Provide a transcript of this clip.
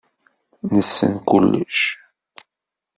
Nessen kullec.